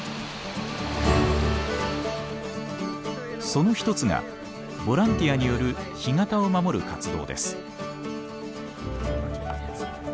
その一つがボランティアによる干潟を守る活動です。